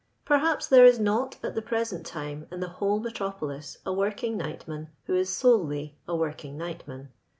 r»r haps there is not at the i^reseut time in Ui whole metropolis a working mgliimau vrho ir s«'A li/ a working nightman.